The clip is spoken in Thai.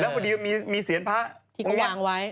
แล้ววันดีมีเศรษฐ์พระที่ก็วางไว้